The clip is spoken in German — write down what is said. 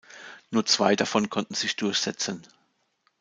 Nur zwei davon konnten sich durchsetzen.